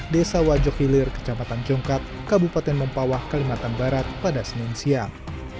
desa wajok hilir kecamatan jongkap kabupaten mempawah kalimantan barat pada senin siang